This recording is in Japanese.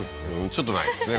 ちょっとないですね